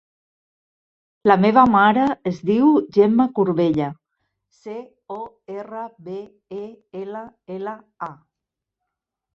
La meva mare es diu Gemma Corbella: ce, o, erra, be, e, ela, ela, a.